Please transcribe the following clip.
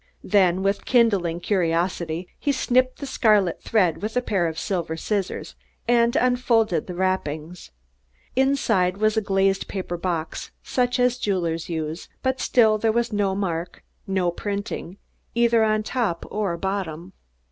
Then, with kindling curiosity, he snipped the scarlet thread with a pair of silver scissors, and unfolded the wrappings. Inside was a glazed paper box, such as jewelers use, but still there was no mark, no printing, either on top or bottom.